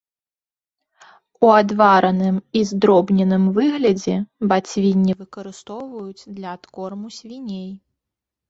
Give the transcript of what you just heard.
У адвараным і здробненым выглядзе бацвінне выкарыстоўваюць для адкорму свіней.